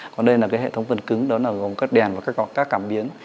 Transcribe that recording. còn đây là cái hệ thống phần cứng đó là gồm các đèn và các cảm biến